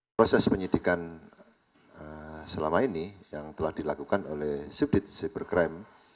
proses penyidikan selama ini yang telah dilakukan oleh subdit cybercrime